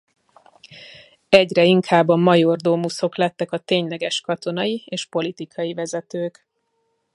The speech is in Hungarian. Egyre inkább a majordomusok lettek a tényleges katonai és politikai vezetők.